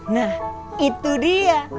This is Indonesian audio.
nah itu dia